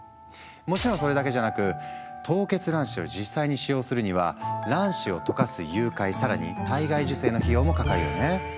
もちろんそれだけじゃなく凍結卵子を実際に使用するには卵子をとかす融解更に体外受精の費用もかかるよね。